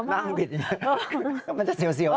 นั่งบิดอย่างนี้มันจะเสียวอร่อยนะ